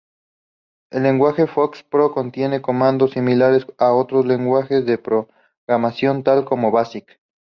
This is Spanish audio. El lenguaje FoxPro contiene comandos similares a otros lenguajes de programación tal como Basic.